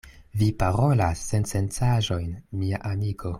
Vi parolas sensencaĵon, mia amiko.